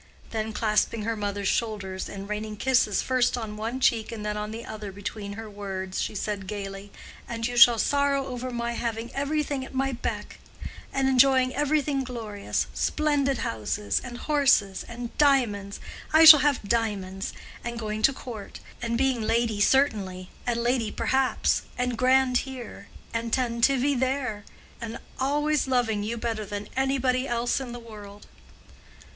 Then, clasping her mother's shoulders and raining kisses first on one cheek and then on the other between her words, she said, gaily, "And you shall sorrow over my having everything at my beck—and enjoying everything glorious—splendid houses—and horses—and diamonds, I shall have diamonds—and going to court—and being Lady Certainly—and Lady Perhaps—and grand here—and tantivy there—and always loving you better than anybody else in the world."